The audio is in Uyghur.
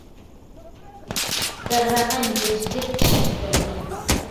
دەرۋەقە مۆجىزىدەك ئىش يۈز بەردى.